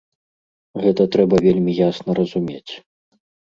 Гэта трэба вельмі ясна разумець.